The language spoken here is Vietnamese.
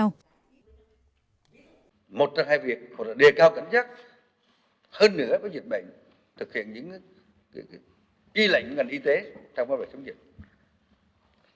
hơn nữa với dịch bệnh thực hiện những y lệnh ngành y tế tham quan về chống dịch